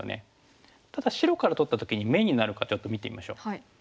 ただ白から取った時に眼になるかちょっと見てみましょう。